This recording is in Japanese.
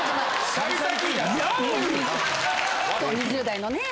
２０代のね。